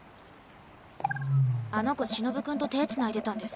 「あの子しのぶくんと手つないでたんですけど」。